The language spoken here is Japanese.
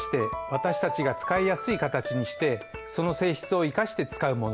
私たちが使いやすい形にしてその性質を生かして使うもの。